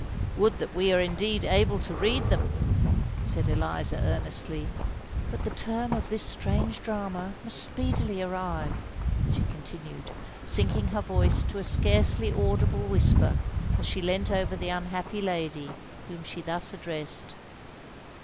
"Would that we were indeed able to read them!" said Eliza, earnestly. "But the term of this strange drama must speedily arrive," she continued, sinking her voice to a scarcely audible whisper, as she leant over the unhappy lady whom she thus addressed.